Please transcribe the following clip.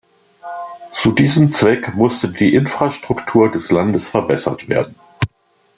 Zu diesem Zweck musste die Infrastruktur des Landes verbessert werden.